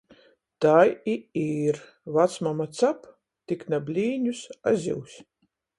Tai i ir — vacmama cap, tik na blīņus, a zivs.